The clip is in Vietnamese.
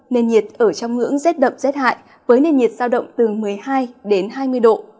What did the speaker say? nền nhiệt ở trong ngưỡng rét đậm rét hại với nền nhiệt sao động từ một mươi hai đến hai mươi độ